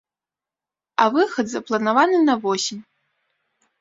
А выхад запланаваны на восень.